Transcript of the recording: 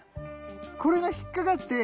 これが引っ掛かって。